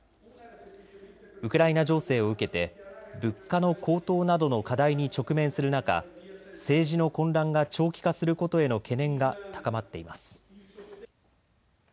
ウクライナ情勢を受けて物価の高騰などの課題に直面する中、政治の混乱が長期化することへの懸念が高まっています。